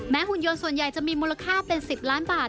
หุ่นยนต์ส่วนใหญ่จะมีมูลค่าเป็น๑๐ล้านบาท